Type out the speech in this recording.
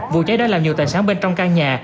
vụ cháy đã làm nhiều tài sản bên trong căn nhà